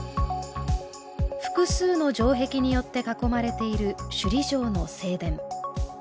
複数の城壁によって囲まれている首里城の正殿。